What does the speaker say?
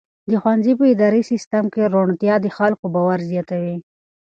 د ښوونځي په اداري سیسټم کې روڼتیا د خلکو باور زیاتوي.